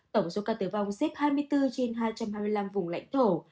tổng số ca tử vong xếp hai mươi bốn trên hai trăm hai mươi năm vùng lãnh thổ